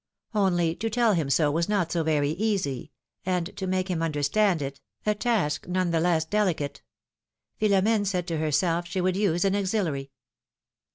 Only to tell him so was not very easy, and to make him under stand it, a task none the less delicate. Philomene said to herself she would use an auxiliary.